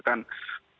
memang ada pilihan lain